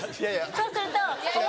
そうすると。